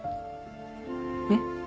えっ？